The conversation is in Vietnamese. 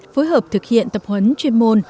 phối hợp thực hiện tập huấn chuyên môn